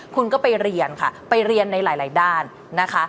คุณก็ไปเรียนค่ะไปเรียนในหลายด้านนะคะ